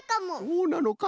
そうなのか。